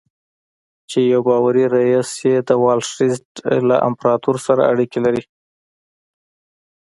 چې يو باوري رييس يې د وال سټريټ له امپراتور سره اړيکې لري.